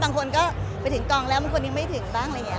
บางคนก็ไปถึงกองแล้วบางคนยังไม่ถึงบ้าง